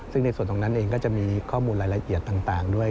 ซึ่งในส่วนตรงนั้นเองก็จะมีข้อมูลรายละเอียดต่างด้วย